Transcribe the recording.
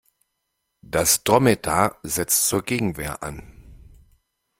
Das Dromedar setzt zur Gegenwehr an.